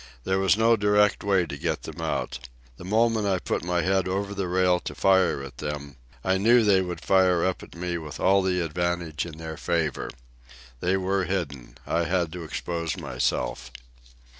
There was no direct way to get them out. The moment I put my head over the rail to fire at them, I knew they would fire up at me with all the advantage in their favour. They were hidden. I had to expose myself.